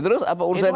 itu kan kelembagaan